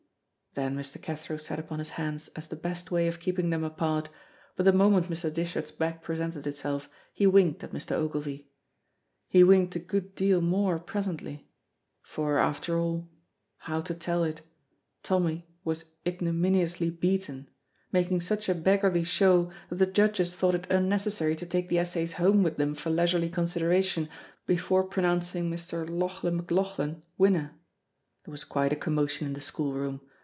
Then Mr. Cathro sat upon his hands as the best way of keeping them apart, but the moment Mr. Dishart's back presented itself, he winked at Mr. Ogilvy. He winked a good deal more presently. For after all how to tell it! Tommy was ignominiously beaten, making such a beggarly show that the judges thought it unnecessary to take the essays home with them for leisurely consideration before pronouncing Mr. Lauchlan McLauchlan winner. There was quite a commotion in the school room.